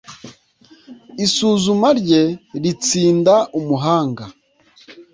Isuzuma rye ritsinda umuhanga.